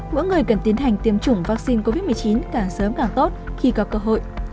mỗi người cần tiến hành tiêm chủng vaccine covid một mươi chín càng sớm càng tốt khi có cơ hội